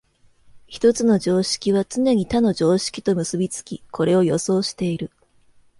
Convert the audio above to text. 一つの常識はつねに他の常識と結び付き、これを予想している。